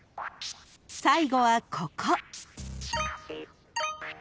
［最後はここ］